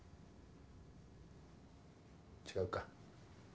違うか。